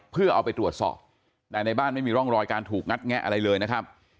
เพื่อเอาไปตรวจสอบแต่ในบ้านไม่มีร่องรอยการถูกงัดแงะอะไรเลยนะครับ